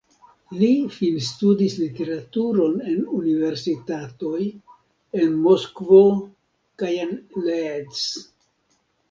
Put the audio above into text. Li finstudis literaturon en universitatoj en Moskvo kaj en Leeds.